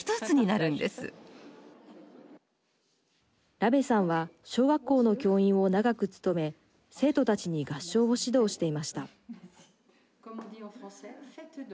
ラベさんは小学校の教員を長く務め生徒たちに合唱を指導していました。